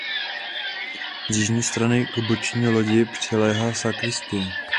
Z jižní strany k boční lodi přiléhá sakristie.